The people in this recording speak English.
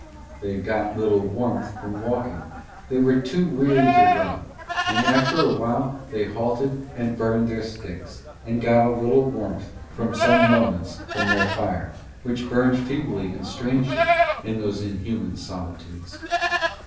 They got little warmth from walking, they were too weary to run; and after a while they halted and burned their sticks, and got a little warmth for some moments from their fire, which burned feebly and strangely in those inhuman solitudes.